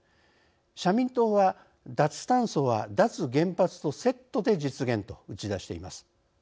社民党は「脱炭素は脱原発とセットで実現」と打ち出しています。